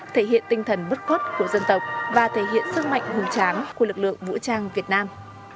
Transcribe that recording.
thể hiện tinh thần bất khuất của dân tộc và thể hiện sức mạnh hùng tráng của lực lượng vũ trang việt nam